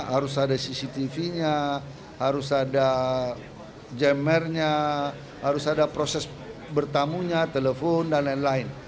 harus ada cctv nya harus ada jammernya harus ada proses bertamunya telepon dan lain lain